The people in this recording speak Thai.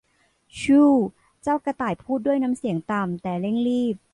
ชู่ว เจ้ากระต่ายพูดด้วยน้ำเสียงต่ำแต่เร่งรีบ